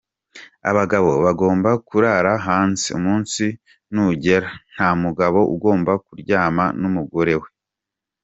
Abagabo bagomba kurara hanze, umunsi nugera, nta mugabo ugomba kuryamana n’umugore we.